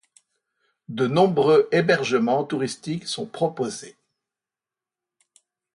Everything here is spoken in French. De nombreux hébergements touristiques sont proposés.